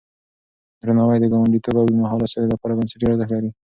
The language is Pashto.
درناوی د ګاونډيتوب او اوږدمهاله سولې لپاره بنسټيز ارزښت لري.